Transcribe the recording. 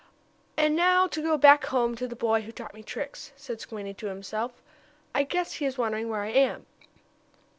"And now to go back home, to the boy who taught me tricks," said Squinty to himself. "I guess he is wondering where I am."